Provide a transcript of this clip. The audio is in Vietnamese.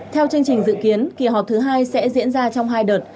theo chương trình dự kiến kỳ họp thứ hai sẽ diễn ra trong hai đợt